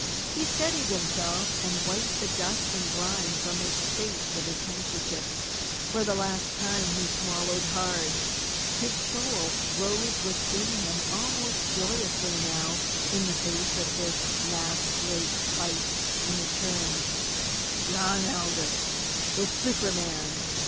He steadied himself, and wiped the dust and grime from his face with his handkerchief. For the last time he swallowed hard. His soul rose within him almost joyously now in the face of this last great fight, and he turned John Aldous, the super man.